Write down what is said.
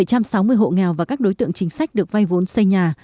bảy trăm sáu mươi hộ nghèo và các đối tượng chính sách được vay vốn xây nhà